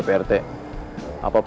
surat surat untuk wasiatnya